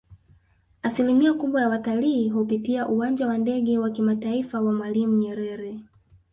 Asilimia kubwa ya watalii hupitia uwanja wa Ndege wa kimataifa wa Mwalimu Nyerere